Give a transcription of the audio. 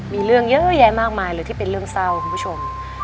มีเรื่องเยอะแยะมากมายเลยที่เป็นเรื่องเศร้าคุณผู้ชม